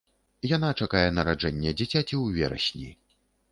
Яна чакае нараджэння дзіцяці ў верасні.